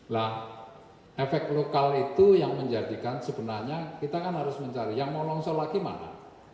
nah efek lokal itu yang menjadikan sebenarnya kita kan harus mencari yang mau longsor lagi mana